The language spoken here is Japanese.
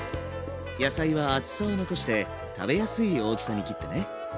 野菜は厚さを残して食べやすい大きさに切ってね。